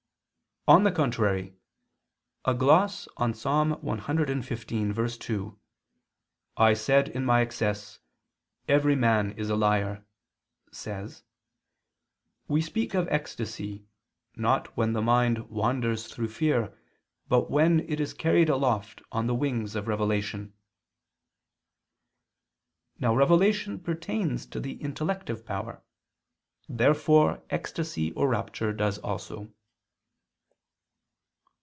On the contrary, A gloss on Ps. 115:2, "I said in my excess: Every man is a liar," says: "We speak of ecstasy, not when the mind wanders through fear, but when it is carried aloft on the wings of revelation." Now revelation pertains to the intellective power. Therefore ecstasy or rapture does also.